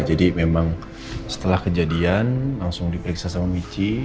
jadi memang setelah kejadian langsung diperiksa sama michi